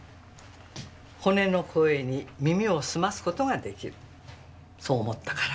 骨の声に耳をすます事が出来るそう思ったから。